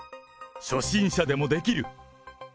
初心者でもできる！